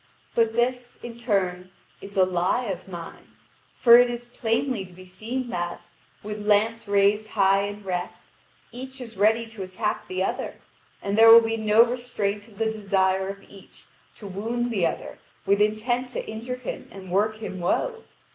But this, in turn, is a lie of mine, for it is plainly to be seen that, with lance raised high in rest, each is ready to attack the other, and there will be no restraint of the desire of each to wound the other with intent to injure him and work him woe.